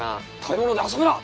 食べ物で遊ぶな！